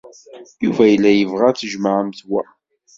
Yuba yella yebɣa ad tjemɛemt wa.